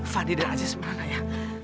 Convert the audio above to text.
fadidah aja sebenarnya